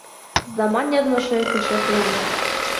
Заман яҙмышы кеше ҡулында.